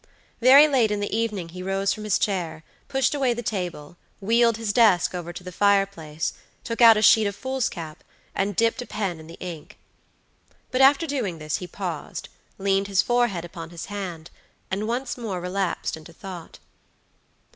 Very late in the evening he rose from his chair, pushed away the table, wheeled his desk over to the fire place, took out a sheet of fools cap, and dipped a pen in the ink. But after doing this he paused, leaned his forehead upon his hand, and once more relapsed into thought.